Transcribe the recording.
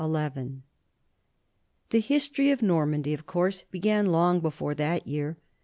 The history of Normandy, of course, began long before that year.